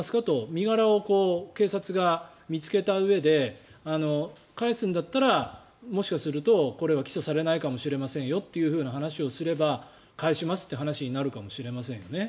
身柄を警察が見つけたうえで返すんだったらもしかすると、これは起訴されないかもしれませんよという話をすれば返しますって話になるかもしれませんよね。